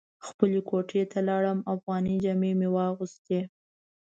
خپلې کوټې ته لاړم افغاني جامې مې واغوستې.